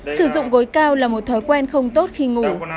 sử dụng gối cao là một thói quen không tốt khi ngủ